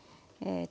ええ！